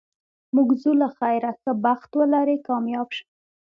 موږ ځو له خیره، ښه بخت ولرې، کامیاب شه.